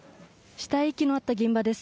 死体遺棄のあった現場です。